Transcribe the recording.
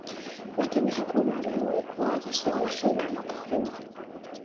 Lakini hakuna aliyewahi kuwaza suala hilo Mwaka huo